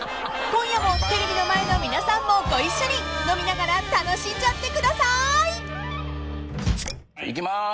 ［今夜もテレビの前の皆さんもご一緒に飲みながら楽しんじゃってください］いきます。